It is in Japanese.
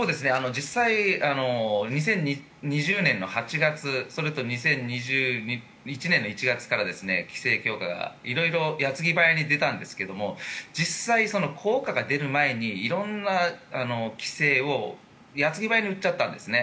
実際に２０２０年の８月それと２０２１年の１月から規制強化が色々矢継ぎ早に出たんですが実際、効果が出る前に色んな規制を矢継ぎ早に打っちゃったんですね。